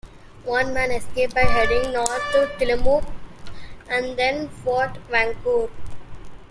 One man escaped by heading north to Tillamook and then Fort Vancouver.